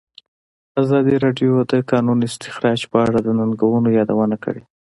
ازادي راډیو د د کانونو استخراج په اړه د ننګونو یادونه کړې.